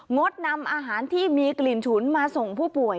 งดนำอาหารที่มีกลิ่นฉุนมาส่งผู้ป่วย